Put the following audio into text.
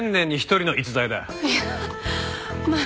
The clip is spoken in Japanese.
いやまあ